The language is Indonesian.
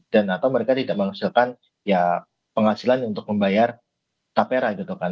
dan atau mereka tidak menghasilkan penghasilan untuk membayar tapera gitu kan